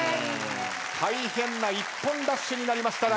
大変な一本ラッシュになりました